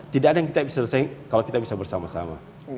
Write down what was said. tidak ada yang kita bisa selesai kalau kita bisa bersama sama